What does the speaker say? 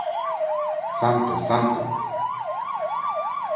Santo, Santo